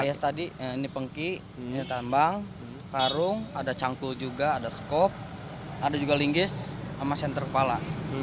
hias tadi ini pengki ini tambang karung ada cangkul juga ada skop ada juga linggis sama senter kepala